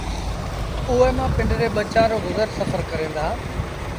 اُئي مآݩ پنڊري ٻچآݩ رو گزر سڦر ڪريݩ دآ